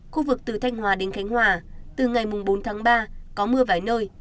khu vực từ thanh hòa đến khánh hòa từ ngày bốn tháng ba có mưa vài nơi